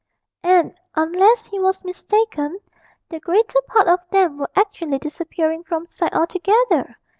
And, unless he was mistaken, the greater part of them were actually disappearing from sight altogether!